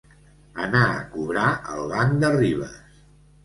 Anar a cobrar al banc de Ribes.